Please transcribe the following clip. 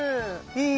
いい。